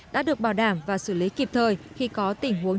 ngày hai tháng hai